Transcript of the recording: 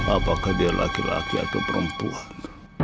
apakah dia laki laki atau perempuan